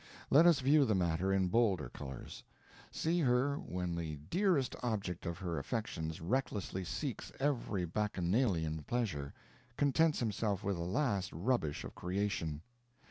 Let us view the matter in bolder colors; see her when the dearest object of her affections recklessly seeks every bacchanalian pleasure, contents himself with the last rubbish of creation.